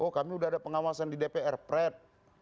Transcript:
oh kami udah ada pengawasan di dpr pred